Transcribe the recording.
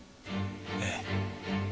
ええ。